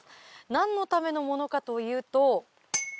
何のためのものかというと。